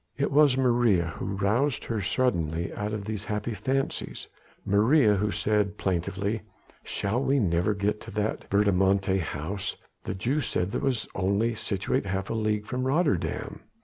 It was Maria who roused her suddenly out of these happy fancies. Maria who said plaintively: "Shall we never get to that verdommte house. The Jew said that it was only situate half a league from Rotterdam."